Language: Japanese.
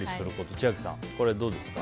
千秋さん、これはどうですか？